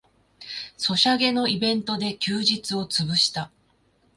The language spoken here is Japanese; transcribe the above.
ソシャゲのイベントで休日をつぶした